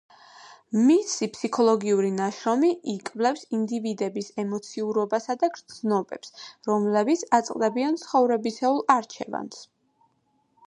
მისი ფსიქოლოგიური ნაშრომი იკვლევს ინდივიდების ემოციებსა და გრძნობებს, რომლებიც აწყდებიან ცხოვრებისეულ არჩევანს.